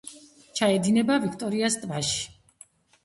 ჩაედინება ვიქტორიას ტბაში.